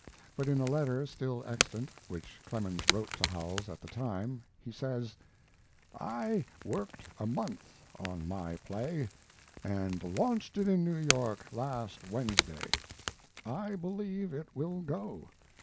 But in a letter still extant, which Clemens wrote to Howells at the time, he says: I worked a month on my play, and launched it in New York last Wednesday. I believe it will go.